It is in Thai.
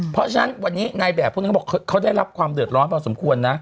เพราะฉะนั้นวันนี้นายแบบพูดแล้วเขาได้รับความเดือดร้อนพอสมควร